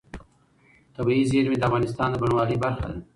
طبیعي زیرمې د افغانستان د بڼوالۍ برخه ده.